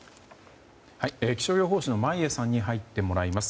気象予報士の眞家さんに入ってもらいます。